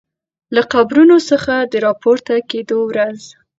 له قبرونو څخه د راپورته کیدو ورځ